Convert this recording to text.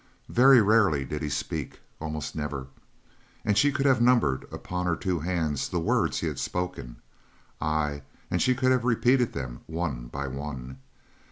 Very rarely did he speak almost never, and she could have numbered upon her two hands the words he had spoken ay, and she could have repeated them one by one.